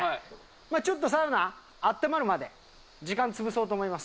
ちょっと、サウナあったまるまで時間潰そうと思います。